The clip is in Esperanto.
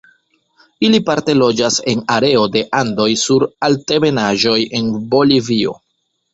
Ili parte loĝas en areo de Andoj sur altebenaĵoj en Bolivio.